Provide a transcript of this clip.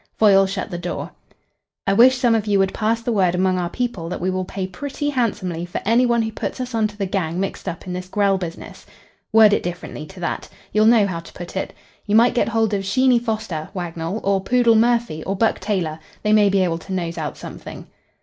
Foyle shut the door. "I wish some of you would pass the word among our people that we will pay pretty handsomely for any one who puts us on to the gang mixed up in this Grell business. Word it differently to that. You'll know how to put it. You might get hold of Sheeny Foster, Wagnell, or Poodle Murphy, or Buck Taylor. They may be able to nose out something."